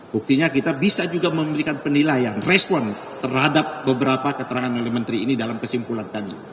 buktinya kita bisa juga memberikan penilaian respon terhadap beberapa keterangan oleh menteri ini dalam kesimpulan kami